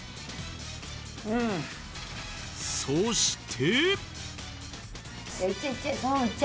そして。